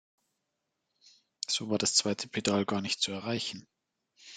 So war das zweite Pedal gar nicht zu erreichen.